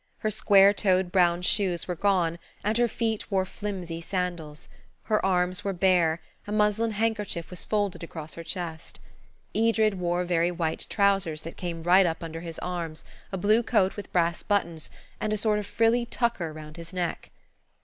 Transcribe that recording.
Her square toed brown shoes were gone, and her feet wore flimsy sandals. Her arms were bare, and a muslin handkerchief was folded across her chest. Edred wore very white trousers that came right up under his arms, a blue coat with brass buttons, and a sort of frilly tucker round his neck.